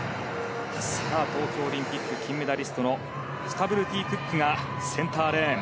さあ、東京オリンピック金メダリストのスタブルティ・クックがセンターレーン。